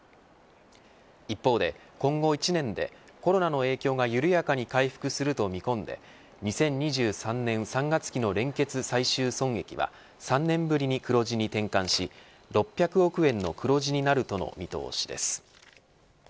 一方で、今後１年でコロナの影響が緩やかに回復すると見込んで２０２３年３月期の連結最終損益は３年ぶりに黒字に転換し６００億円の黒字になるとの見通しです。